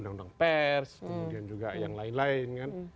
undang undang pers kemudian juga yang lain lain kan